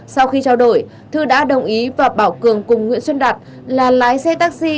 sau khi trao đổi thư đã đồng ý và bảo cường cùng nguyễn xuân đạt là lái xe taxi